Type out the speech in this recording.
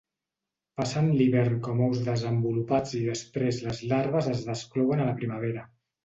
Passen l'hivern com ous desenvolupats i després les larves es desclouen a la primavera.